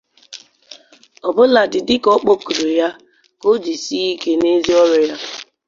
ọbụladị dịka ọ kpọkuru ya ka o jisie ike n'ezi ọrụ ya